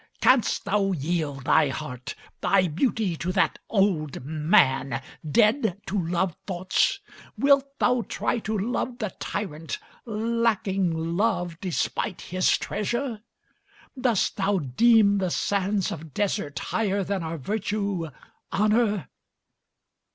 Canst thou yield thy heart, thy beauty, to that old man, dead to love thoughts? Wilt thou try to love the tyrant lacking love despite his treasure? Dost thou deem the sands of desert higher than are virtue honor?